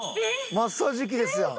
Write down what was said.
マッサージ機ですやん。